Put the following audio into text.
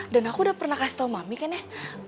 dan aku udah pernah kasih tau mami kan ya